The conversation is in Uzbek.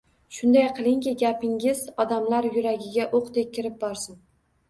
Shunday qilingki, gapingiz odamlar yuragiga o‘qdek kirib borsin.